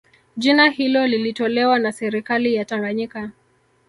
Jina hilo lilitolewa na serikali ya Tanganyika